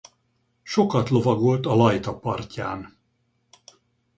Sokat lovagolt a Lajta partján.